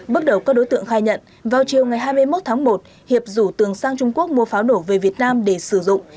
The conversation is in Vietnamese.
bước đầu các đối tượng khai nhận vào chiều ngày hai mươi một tháng một hiệp rủ tường sang trung quốc mua pháo nổ về việt nam để sử dụng